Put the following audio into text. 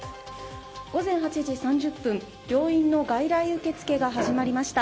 午前８時３０分病院の外来受け付けが始まりました。